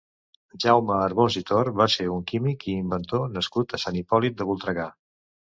Jaume Arbós i Tor va ser un químic i inventor nascut a Sant Hipòlit de Voltregà.